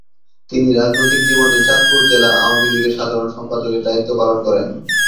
তিনি রাজনৈতিক জীবনে চাঁদপুর জেলা আওয়ামী লীগের সাধারণ সম্পাদকের দায়িত্ব পালন করেন।